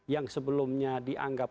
yang sebelumnya dianggap